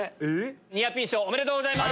ニアピン賞おめでとうございます。